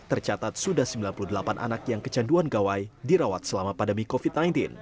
tercatat sudah sembilan puluh delapan anak yang kecanduan gawai dirawat selama pandemi covid sembilan belas